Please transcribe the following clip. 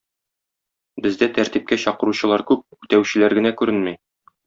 Бездә тәртипкә чакыручылар күп, үтәүчеләр генә күренми.